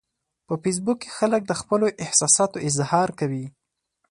په فېسبوک کې خلک د خپلو احساساتو اظهار کوي